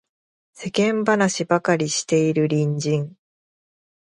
世間話ばかりしている隣人